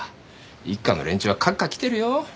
一課の連中はカッカきてるよ。